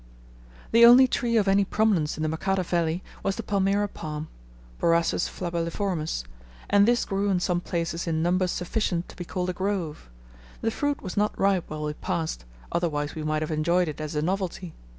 The only tree of any prominence in the Makata valley was the Palmyra palm (Borassus flabelliformis), and this grew in some places in numbers sufficient to be called a grove; the fruit was not ripe while we passed, otherwise we might have enjoyed it as a novelty.